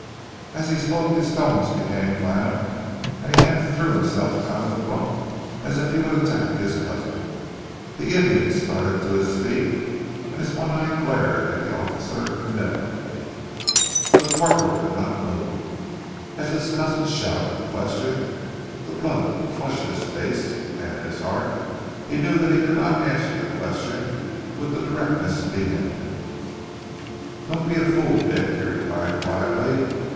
As he spoke his tones became violent, and he half threw himself out of the bunk, as if he would attack his cousin. The Indian started to his feet, and his one eye glared at the officer malevolently. The corporal did not move. As his cousin shouted the question the blood flushed his face, and in his heart he knew that he could not answer the question with the directness demanded. "Don't be a fool, Dick," he replied quietly.